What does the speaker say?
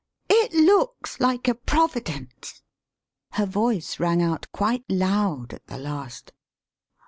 It looks like a providence." Her voice rang out quite loud at the last.